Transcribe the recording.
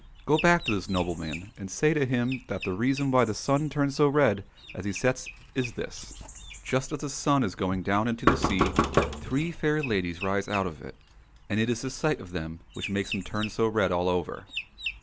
Go back to this noble man and say to him that the reason why the sun turns so red as he sets is this : Just as the sun is going down into the sea, three fair ladies rise out of it, and it is the sight of them which makes him turn so red all over